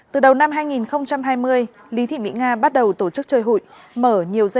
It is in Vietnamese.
từ đầu năm hai nghìn hai mươi lý thị mỹ nga bắt đầu tổ chức chơi hụt